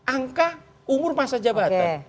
angka umur masa jabatan